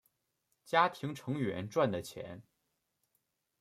家庭成员赚的钱